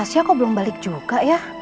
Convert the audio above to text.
saya kok belum balik juga ya